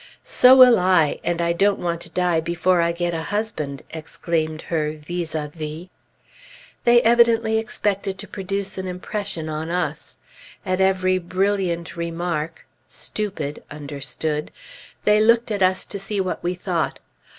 "So will I! and I don't want to die before I get a husband!" exclaimed her vis à vis. They evidently expected to produce an impression on us. At every "brilliant" remark ("stupid" understood), they looked at us to see what we thought.